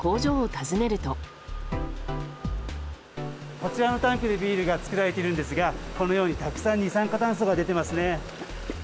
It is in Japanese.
こちらのタンクでビールが作られているんですがこのようにたくさん二酸化炭素が出ていますね。